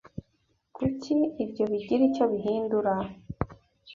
Kuki ibyo bigira icyo bihindura?